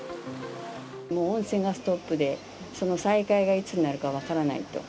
温泉がストップで、その再開がいつになるか分からないと。